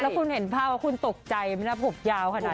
แล้วคุณเห็นภาพว่าคุณตกใจมั้ยนะผมยาวขนาดนี้